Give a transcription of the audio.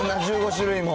１５種類も。